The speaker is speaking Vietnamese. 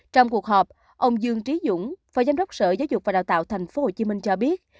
trong cuộc họp ông dương trí dũng phó giám đốc sở giáo dục và đào tạo thành phố hồ chí minh cho biết